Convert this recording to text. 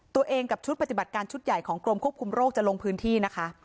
กับชุดปฏิบัติการชุดใหญ่ของกรมควบคุมโรคจะลงพื้นที่นะคะ